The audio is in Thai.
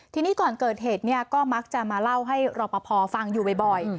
ทีนี้ก่อนเกิดเหตุก็มักจะมาเล่าให้รอปภฟังอยู่บ่อย